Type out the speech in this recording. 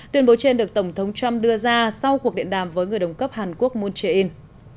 tuyên bố trên được tổng thống trump đưa ra sau cuộc điện đàm với người đồng cấp hàn quốc moon jae in